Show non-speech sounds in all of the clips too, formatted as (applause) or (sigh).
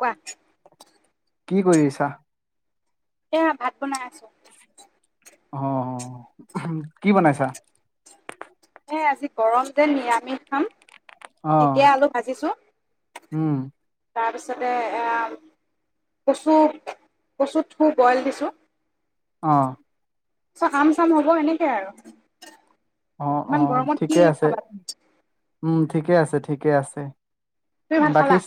কোৱা কি কৰিছা এয়া ভাত বনাই আছো অ', কি বনাইছা এ আজি গৰম যে নিৰামিষ খাম ঢেকিয়া অ', আলু ভাজিছোঁ। উম, তাৰপিছতে আহ কচু-কচু থু বইল দিছোঁ। অহ আম চাম হ'ব এনেকে আৰু। অ-অ ইমান গৰমত কি ঠিকে আছে। খাবা উম ঠিকে আছে-ঠিকে আছে তুমি ভাত বাকী খালা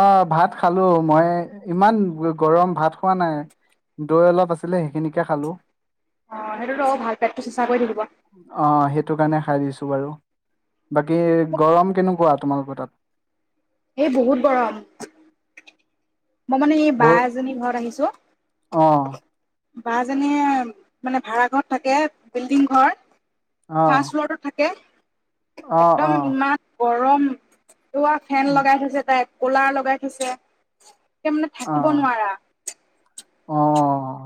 অ ভাত খালো মই ইমান গৰম ভাত খোৱা নাই দৈ অলপ আছিলে সেইখিনিকে খালো। অ সেইটোতো ভাল পেটটো চিচা কৰি থাকিব। অ সেইটো কাৰণে খাই দিছো বাৰু বাকী গৰম কেনেকুৱা তোমালোকৰ তাত? এই বহুত গৰম। মই মানে এই বা বহুত এজনীৰ ঘৰত আহিছো। অ', বা যেনেীয়ে মানে ভাড়া ঘৰত থাকে বিল্ডিং ঘৰ অ', ফাৰ্ষ্ট ফ্লৰত থাকে অ', একদম অ', ইমান গৰম া ফেন উম, লগাই থৈছে তাই ক'লা লগাই থৈছে মানে থাকিব নোৱাৰা। অহ-অহ-অহ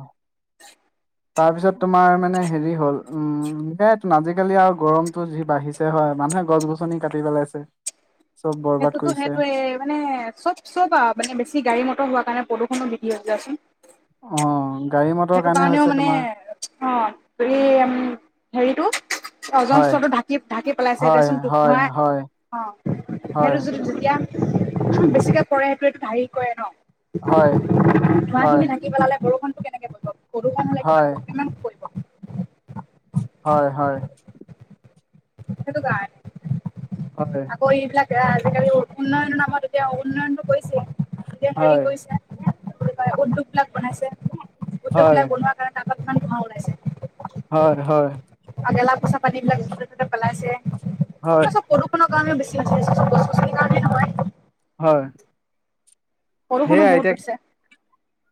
তাৰ পিছত তোমাৰ মানে হেৰি হল। উম আজিকালি আৰু গৰমতটো যি বাঢ়িছে হয়, মানুহে গছ গছনি কাটি পেলাইছে। চব বৰবাদ কৰিছে সেইটোতো-সেইটোয়ে মানে চব-চব মানে বেছি গাড়ী মটৰ হোৱা কাৰণে প্ৰদূষণ (unintelligible) অ গাড়ী মটৰ সেইটো কাৰণে কাৰণেও হৈছে মানে তোমাৰ অঁ হেৰী উম হেৰিটো হয় অজন্ত্ৰটো ঢাকি-ঢাকি পেলাইছে হয় দেচোন ত হয় ভোৰাাই হয় অ হয় হেতু যদি (unintelligible) বেছিকে পৰে সেইটোটো ধাৰি কৰে ন? হয় ধোৱাা খিনি ঢাকি পেলালে বৰষুণ সৰুষণ হ'লে কিমান কিমান পৰিব? হয়-হয় সেইটে কাৰণে হয়। এতিয়া আজিকালি উন্নয়নৰ নামত এতিয়া উন্নয়নতটো কৈছে হেৰি হয় কৰিছে কয় উদ্যোগ বিলাক বনাইছে উদ্যোগ বিলাক হয় বনোৱা কাৰণে ত (unintelligible) খাওঁ ওলাইছে। হয় হয়। পঁচা পানী বিলাক যতে ততে পেলাইছে হয় আপোনাৰ চব (unintelligible) (unintelligible) গছ গছনিৰ কাৰণে নহয় হয়। সেয়া বৰষুণো এতিয়া বহুত আছে।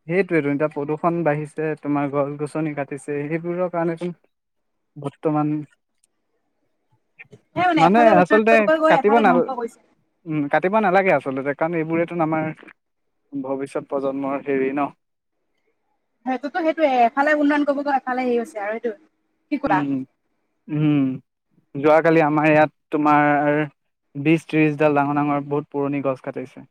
সেইটোৱেতো এতিয়া প্ৰদূ্ষণ বাঢ়িছে তোমাৰ গছ গছনি কাটিছে সেইবোৰৰ কাৰণ, বৰ্তমান সেই মানে এফালে উন্নয়ন আচলতে কৰিব গৈ কাটিব এফালে নাল ধ্বংস কৰিছে উ কাতিবা নালাগে আচলতে কাৰণ এইবোৰত আমাৰ ভৱিষ্যত প্ৰজন্মৰ হেৰি ন। সেইটোতো সেইটোয়ে এফালে উন্নয়ন কৰিব গ এফালে হে আ হৈছে আৰু সটো। উম উম। যোৱাকালি আমাৰ ইয়াত তোমাৰ বিশ ত্ৰিশডাল ডাঙৰ ডাঙৰ বহুত পুৰণি গছ কাটিছে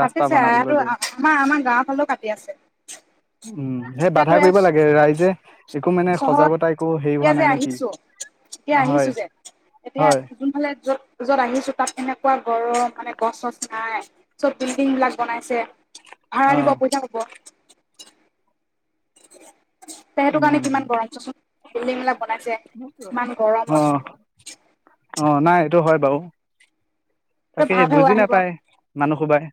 ৰাস্তা কাটিছে বনাবলৈ আয়ো গৈ। আমাৰ আমাৰ গাঁৱৰ ফালেও কাটি আছে, উম, সেই বাধা এতিয়াতো কৰিব লাগে ৰাইজে (unintelligible) চহৰত একো হেৰি এতিয়া হোৱা নাই যে নে কি? আহিছোঁ এতিয়া হয়, আহিছোঁ যে এতিয়া হয়, যোনফালে য'ত য'ত আহিছোঁ তাত তেনেকুৱা গৰম মানে গছ চছ নাই চব বিল্ডিং বিলাক বনাইছে ভাড়া দিব অ', পইচা হব। (inaudible) তে সেইটো কাৰণে উম, কিমান গৰম চচোন বিল্ডিংবলাক বনাইছে কিমান গৰমত (inaudible) টো হয় বাৰু তই তাকে ভাৱ হে বুজি আহিব নাপায় মানুহ সোবাই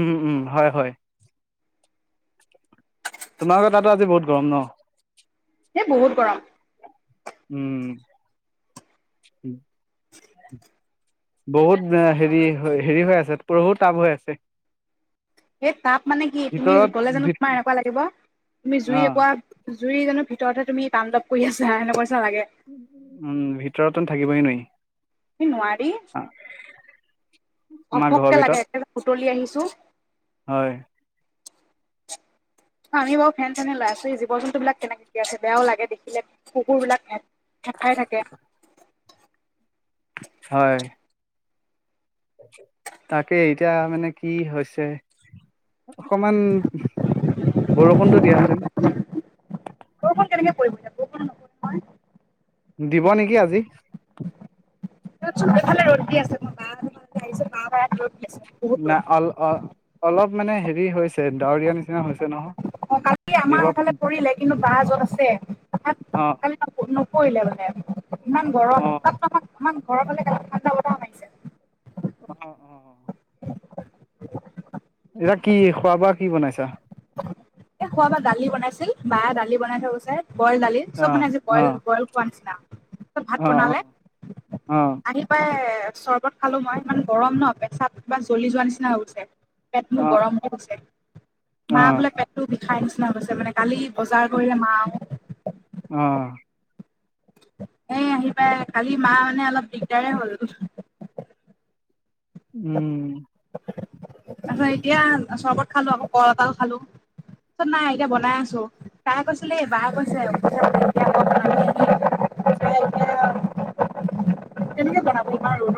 উম উম হয় হয় তোমালোকৰ তাতো আজি বহুত গৰম ন? সেই বহুত গৰম উম। উম বহুত হেৰি হেৰি হৈ আছে পহু টাব হৈ আছে। এই তাপ মানে কি তুমি ভিতৰত গ'লে জানো ভি তোমাৰ এনেকুৱা লাগিব তুমি জুই অ একা জুৰি জনৰ ভিতৰত হে তুমি তাণ্ডৱ কৰি আছা নিচিনা লাগে উম ভিতৰতো থাকিবো নোৱাৰি। উ নোৱাৰি, আমাৰ ঘৰৰ ঘপককে লাগে ভিতৰত একেবাৰে উতলি আহিছো। হয় আমি বাৰু ফেন চেনে লৈ আছো এই জীৱ জন্তু বিলাক কেনেকে আছে বেয়াও লাগে দেখিলে কুকুৰ বিলাক ফেফাই থাকে হয় তাকে, এতিয়া মানে কি হৈছে অকমান বৰষুণটো দিয়াহেঁতেন (unintelligible) দিব নিকি আজি এফালে ৰ'দ দি আছে মই বা হঁতৰ ঘৰলে আহিছোঁ ন অল অ অলপ মানে হেৰি হৈছে ডাৱৰীয়াৰ নিচিনা হৈছে নহয় অ কালি আমাৰ দিব সেইফালে পৰিলে কিন্তু বা যত আছে অ পৰিলে মানে ইমান গৰম নহয় ইমান গৰম হ'লে অলপ ঠাণ্ডা বতৰ মাগিছে অ অ এতিয়া কি খোৱা বোৱা কি বনাইছা এ খোৱাবা দালি বনাইছিল বায়ে দালি বনাই থৈ গৈছে বইল দালি চব অ মানে আজি অ বইল বইল খোৱা নিচিনা চব ভাত অ বনালে অ অ আহি পাই চৰ্বত খালো মই ইমান গৰম ন পেছাব কিবা জ্বলি যোৱা নিচিনা হৈ গছে পেট মোৰ অ গৰম হৈ গৈছে অ মা বোলে পেটটো বিষ খাই নিচিনা হৈ গৈছে মানে কালি বজাৰ কৰিলে মা অ এ আহি পাই কালি মা মানে অলপ দিগদাৰে হ'ল উম তাৰপাছত এতিয়া চৰ্বত খালো আকৌ কল এটাও খালো ত নাই এতিয়া বনাই আছো তাই কৈছিলে বাই কৈছে এতিয়াই বনাই ল পাছত কৰে কেনেকে বনাবি ইমান ৰ'দ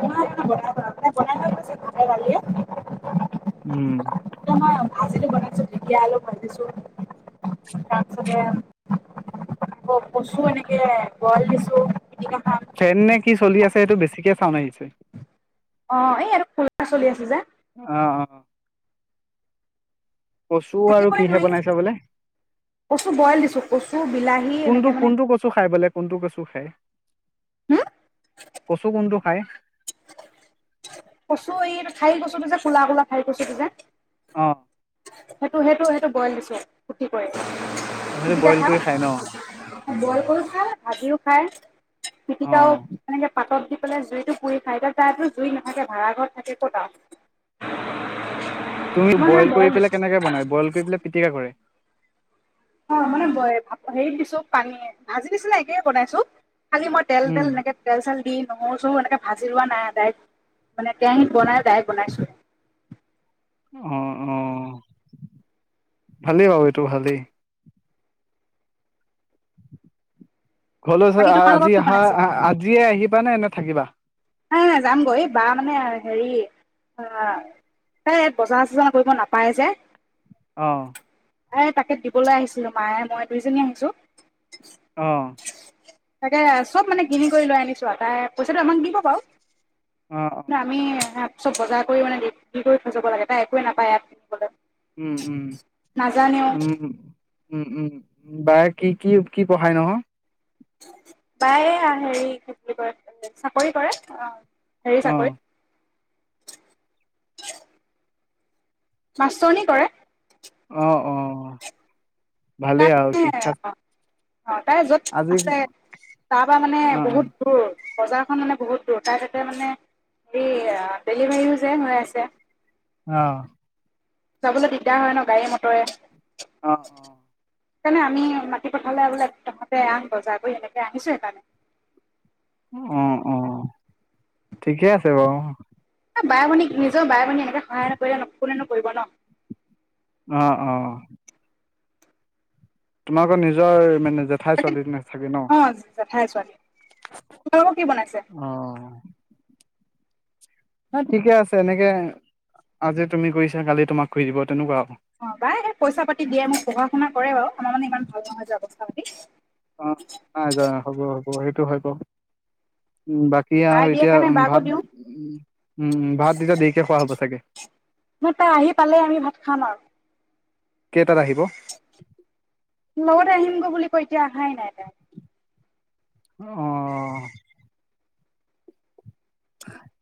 তাই বনাই থৈ গৈছে ভাতে ডালিয়ে উম ভাজিতো বনাইছো ঢেকিয়া, আৰু ভাজিছো তাৰপিছতে আকৌ কচু এনেকে বইল দিছো পিটিকা খাম ফেন নে কি চলি আছে সেইটো বেছিকে চাওন্দ আহিছে অ এই এইটো কোলাৰ চলি আছে যে অ অ কচু আৰু থাকিবই কিহে নোৱাৰি বনাইছা বোলে কচু বইল দিছো কচ কোনটো কোনটো কচু খাই বোলে কোনটো কচু খাই হম কচু কোনটো খাই কচু এই ঠাই কচুটো যে কোলা কোলা ঠাই কচুটো যে অ সেইটো সেইটো সেইটো বইল কচু খেতি কৰে অ সেইটো বইল কৰি খাই ন বইল কৰি খায় ভাজিও খায় অ পিটিকাও মানে এনেকে পাটৰ দি জুইতটো পুৰি খাই তাইতো জুই নাথাকে ভাড়া ঘৰত থাকে ক'তা তুমি বইল কৰি পেলাই কেনেকে বনাই বইল কৰি পেলাই পিটিকা কৰে নাই (inaudible) অ মানে ভাপত হেৰিত দিছো পানী ভাজি নিছিনা একে বনাইছো খালি মই তেল উম তেল এনেকে তেল চেল দি নহৰু চহৰু এনেকে ভাজি লোৱা নাই ডাইৰেক্ট মানে কেৰাহীত বনাই ডাইৰেক্ট বনাইছো অ অ ভালেই বাৰু এইটো ভালেই হলোদ হৈ বাকী আহা তোমালোকক আজি কি আহা বনাইছে আজিয়ে আহি আহিবানে থাকিবা নাই যাম গৈ এই বা মানে হেৰি তাই বজাৰ চজাৰ কৰিব নাপায় যে আহ এ তাকে দিবলৈ আহিছিলো মায়ে মই দুইজনী আহিছো আহ তাকে চব মানে কিনি কৰি লৈ আনিছো তাই পইচাটো আমাক দিব হয় অ অ নাই আমি হেপ চব বজাৰ কৰি মানে কৰি দি থৈ যাব লাগে তাই একোৱে নাপায় ইয়াত কিনিবলৈ উম উম উম নাজানেও উম উম বায় কি কি কি পঢ়ায় নহয় বায়ে হেৰি কি বুলি কয় চাকৰি কৰে অ হেৰি অ চাকৰি মাছটৰণী কৰে অ অ ভালে আৰু তাই শিক্ষা অ অ তাই য'ত আজি আছে তাৰ পৰা মানে অ', বহুত দূৰ বজাৰখন মানে বহুত দূৰ তাত ইতে মানে হেৰি ডেলিভাৰীও যে হৈ আছে আহ যাবলৈ দিগদাৰ হয়, ন গাড়ী মটৰে অ। সেইকাৰণে আমি মাটি পথাৰলৈ বোলে তাহঁতে আন বজাৰ কৰি এনেকে আহিছো সেইকাৰণে। অ-অ, ঠিকে আছে বাৰু। বায়-ভনী, নিজৰ বাই-ভনী এনেে সহায় নকৰিলে ন, ফোনে নকৰিব ন। অ-অ, তোমালোকৰ নিজৰ মানে জেঠাই ছোৱালী নাথাকে ন। হয় ছোৱালী তোমালোকক কি বনাইছে? হ ঠিকে আছে এনেকে আজি তুমি কৰিছা কালি তোমাক কৰি দিব তেনেকুৱা। অ বাই পইচা পাতি দিয়ে মোক পঢ়া শুনা কৰে বাৰু আমাৰ মানে ইমান ভাল নহয় যে অৱস্থা পাতি অ'-অ, ' যা হ'ব-হ'ব সেইটো হয় বাৰু উ' বাকী বাই আৰু দিয়ে এতিয়া কাৰণে বাকো ভাত দিওঁ উ-উ ভাত এতিয়া দেৰিকে খোৱা হ'ব চাগে। মই তাই আহি পালে আমি ভাত খাম আৰু। কেইটাত আহিব। কত আহিম গৈ বুলি কৈ এতিয়া অহাই নাই তাই। অঁহ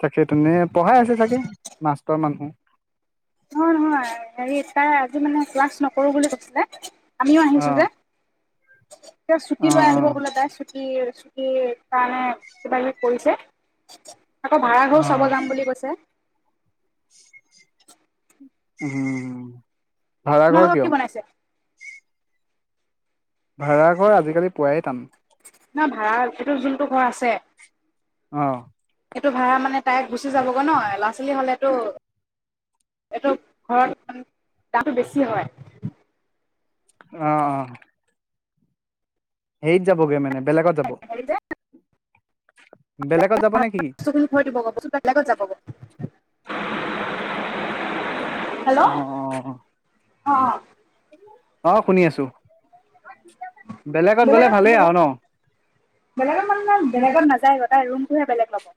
তাকেই তেনে পঢ়াই আছে চাগে মাষ্টৰ মানুহ, নহয়-নহয়, হেৰি তাৰ আজি মানে ক্লাছ নকৰো বুলি কৈছিলে। আমিও আহিছো অ', যে, এ চুতি ল অ', আহিব অ', বোললে তাই। কি-কি কাৰণে কিবা কিবি কৰিছে। আকৌ ভাড়াঘৰ চাব অ', যাম বুলি কৈছে। উম, ভাড়াঘৰ তোমালোকৰ কিয়? কি বনাইছে? ভাড়াঘৰ আজিকালি পুৱাই টান। নহ ভাড়া এইটো যোনটো ঘৰ আছে, অহ, এইটো ভাড়া মানে তাইক গুচি যাবগৈ ন ল'ৰা-ছোৱালী হ'লেতো এইটো ঘৰত দামটো বেছি হয়। অহ-অহ, সেইত যাবগৈ মানে বেলেগত যাব। হেৰি যে বেলেগত যাব নে কি? দিব বস্তু বেলেগত যাব। হেল্ল' অ অ-অ, অ', অ', শুনি আছো। বেলেগতত বেলেগৰ মানে বেলেগত নাযায় ৰুমটোহে বেলেগ ল'ব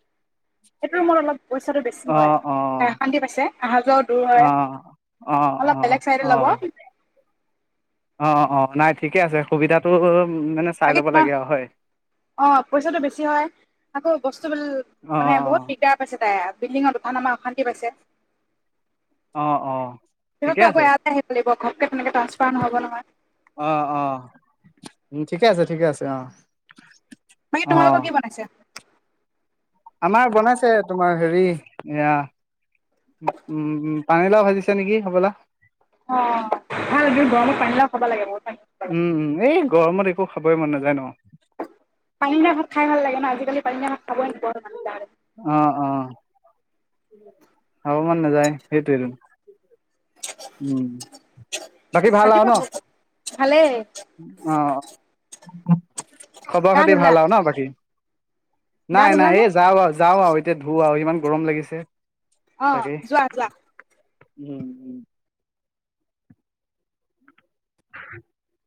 এইটো ৰুমত অলপ পইচাটো বেছি হয় অ', অ', অশান্তি পাইছে অহা যোৱাও দূৰ অ', হয় অ', অলপ অ', বেলেগ চাইডে ল'ব অ', অ', অ', নাই ঠিকে আছে সুবিধাটো মানে চাই বাকী ল'ব লাগে আৰু হয়। অ পইচাটো বেছি হয় আকৌ অ', মানে বহুত অ', বিকা পাইছে তাই বিল্ডিঙত উঠা নমা অশান্তি পাইছে অ', অ', সিহঁততো আকৌ ইয়া পা হে (unintelligible) (unintelligible) টাছে অহ অহ উম ঠিকে আছে ঠিকে আছে অ বাকী অ', তোমালোকৰ কি বনাইছে আমাৰ বনাইছে তোমাৰ হেৰি এয়া উম পানীলাও ভাজিছে নেকি হবলা অ ভাল গৰমৰ পানী লাও খব লাগে বহুত পানী খাব লাগে। উম এ গৰমত একো খাবই মন নাযায় ন পানীলাও ভাত খাই ভালাগে আজিকালি পানী (unintelligible) খাবই নোৱাৰো (unintelligible) অ অ খাবমন নাযায় সেইটোৱেটো উম বাকী ভাল আৰু ৰাতিপুৱা ন ভালেই অ খবৰ গা খাতি ভাল ধুলা আৰু ন বাকী গা নাই ধুলা নাই নে এই যাওঁ আৰু যাওঁ আৰু এতিয়া ধো আৰু ইমান গৰম লাগিছে অ তাকেই যোৱা যোৱা উম উম (inaudible)